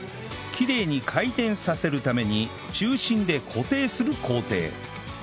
きれいに回転させるために中心で固定する工程